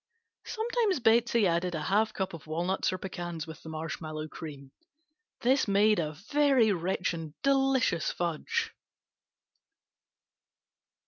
Sometimes Betsey added a half cup of walnuts or pecans with the marshmallow cream. This made a very rich and delicious fudge.